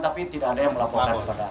tapi tidak ada yang melaporkan kepada